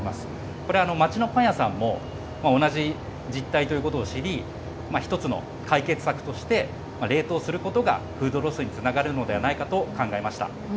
これ、街のパン屋さんも同じ実態ということを知り、一つの解決策として、冷凍することがフードロスにつながるのではないかと考えました。